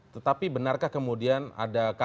tetapi benarkah kemudian ada kabar